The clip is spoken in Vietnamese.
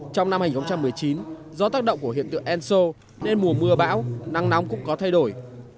trong năm hai nghìn một mươi chín do tác động của hiện tượng enso nên mùa mưa bão nắng nóng cũng có thay đổi